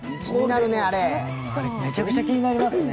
あれ、めちゃくちゃ気になりますね